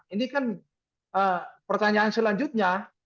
ini kan pertanyaan selanjutnya